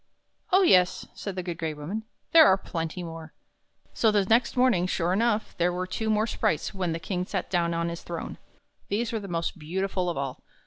"Oh, yes," said the Good Gray Woman, "there are plenty more." So the next morning, sure enough, there were two more sprites when the King sat down on his throne. These were the most beautiful of all.